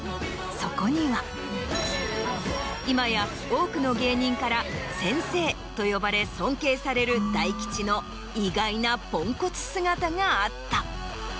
そこには今や多くの芸人から「先生」と呼ばれ尊敬される大吉の。があった。